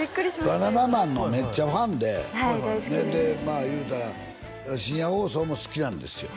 今バナナマンのめっちゃファンででいうたら深夜放送も好きなんですよ